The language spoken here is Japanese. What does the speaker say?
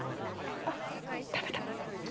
あっ食べた！